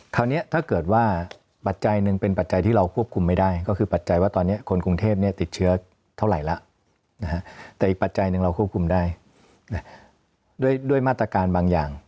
คราวนี้ถ้าเกิดว่าปัจจัยหนึ่งเป็นปัจจัยที่เราควบคุมไม่ได้ก็คือปัจจัยว่าตอนนี้คนกรุงเทพติดเชื้อเท่าไหร่แล้วแต่อีกปัจจัยหนึ่งเราควบคุมได้ด้วยมาตรการบางอย่าง